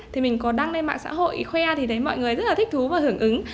thì mình có đăng lên mạng xã hội khoe thì thấy mọi người rất là thích thú và hưởng ứng